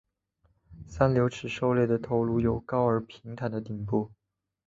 三瘤齿兽类的头颅有高而平坦的顶部。